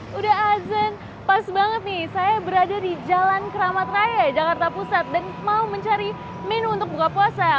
sudah azan pas banget nih saya berada di jalan keramat raya jakarta pusat dan mau mencari menu untuk buka puasa